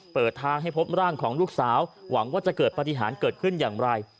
เปิดทางให้พบร่างของลูกสาวหวังว่าจะเกิดปฏิหารเกิดขึ้นอย่างไร